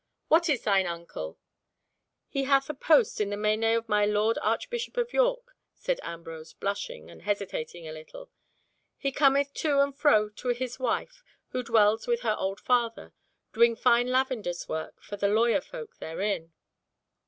"What is thine uncle?" "He hath a post in the meiné of my Lord Archbishop of York," said Ambrose, blushing and hesitating a little. "He cometh to and fro to his wife, who dwells with her old father, doing fine lavender's work for the lawyer folk therein."